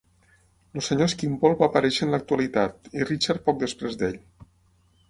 El Sr Skimpole va aparèixer en l'actualitat, i Richard poc després d'ell.